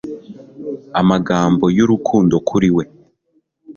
Amagambo y'urukundo kuri we